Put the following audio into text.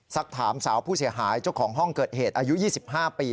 สักถามสาวผู้เสียหายเจ้าของห้องเกิดเหตุอายุ๒๕ปี